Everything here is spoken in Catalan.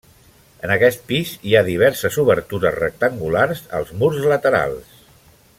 En aquest pis hi ha diverses obertures rectangulars als murs laterals.